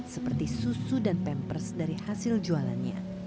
seperti susu dan pempers dari hasil jualannya